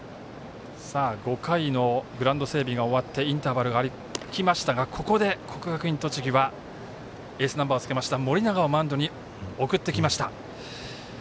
５回のグラウンド整備が終わってインターバルがありましたがここで、国学院栃木はエースナンバーをつけました盛永をマウンドに送ってきました。